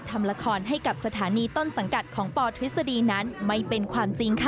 ทำละครให้กับสถานีต้นสังกัดของปทฤษฎีนั้นไม่เป็นความจริงค่ะ